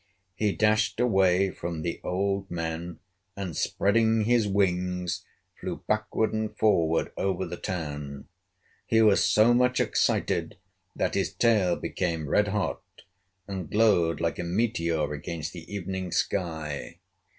He dashed away from the old men and, spreading his wings, flew backward and forward over the town. He was so much excited that his tail became red hot, and glowed like a meteor against the evening sky.